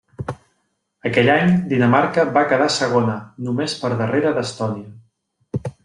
Aquell any, Dinamarca va quedar segona, només per darrere d'Estònia.